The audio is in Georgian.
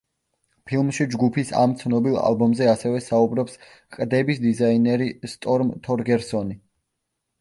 ფილმში ჯგუფის ამ ცნობილ ალბომზე ასევე საუბრობს ყდების დიზაინერი სტორმ თორგერსონი.